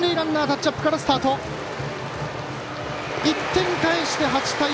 １点返して８対６。